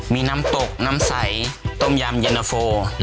มีน้ำตกน้ำใสต้มยำเย็นนาโฟ